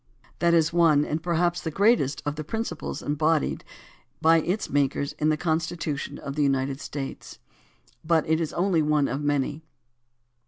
That is one and perhaps the greatest of the principles embodied by its makers in the Constitution of the United States. But it is only one of many.